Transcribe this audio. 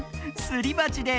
すりばちで。